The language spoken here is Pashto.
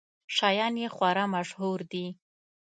شیان یې خورا مشهور دي.